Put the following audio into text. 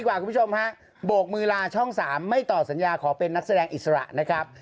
ว่าพี่ชมพะโมเมืแลาะช่อง๓ไม่ตอบสัญญาขอเป็นนักแสดงอิสระนะครับ